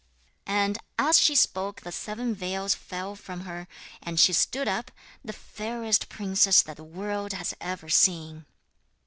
And as she spoke the seven veils fell from her, and she stood up, the fairest princess that the world has ever seen.